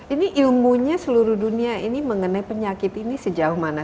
ini ilmunya seluruh dunia ini mengenai penyakit ini sejauh mana